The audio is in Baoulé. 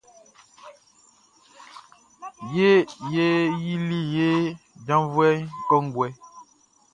Ye yili ye jaʼnvuɛʼm kɔnguɛ.